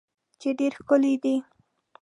چې ډیر ښکلی دی